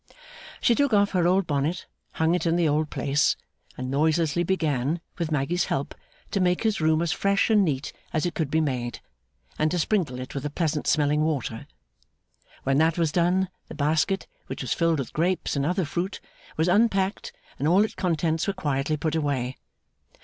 She took off her old bonnet, hung it in the old place, and noiselessly began, with Maggy's help, to make his room as fresh and neat as it could be made, and to sprinkle it with a pleasant smelling water. When that was done, the basket, which was filled with grapes and other fruit, was unpacked, and all its contents were quietly put away.